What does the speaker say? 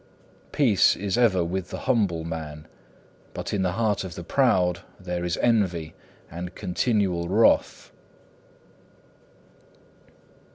Peace is ever with the humble man, but in the heart of the proud there is envy and continual wrath.